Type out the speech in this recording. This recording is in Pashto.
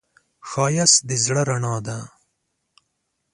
ښایست د زړه رڼا ده